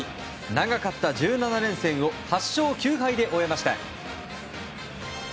長かった１７連戦を８勝９敗で終えました。